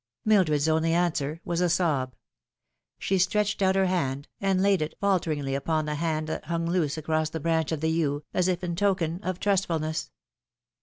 Mildred's only answer was a sob. She stretched out her hand, and laid it falteringly upon the hand that hung loose across the branch of the yew, as if in token of trustfulness.